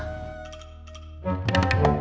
berhenti wisata setiap hari